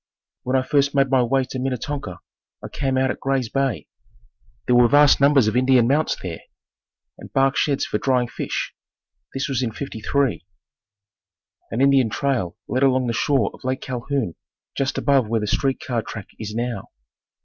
When I first made my way to Minnetonka, I came out at Gray's Bay. There were vast numbers of Indian mounds there and bark sheds for drying fish. This was in '53. An Indian trail led along the shore of Lake Calhoun just above where the street car track is now.